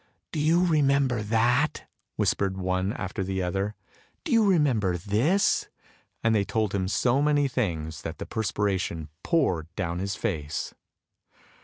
" Do you remember that? " whispered one after the other, " Do you remember this? " and they told him so many things that the perspiration poured down his face.